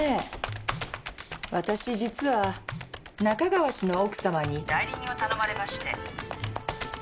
わたし実は中川氏の奥さまに代理人を頼まれまして。